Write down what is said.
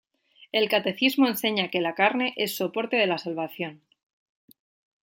El Catecismo enseña que "la carne es soporte de la salvación".